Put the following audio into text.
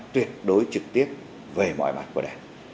tuyệt đối trực tiếp về mọi mặt của đảng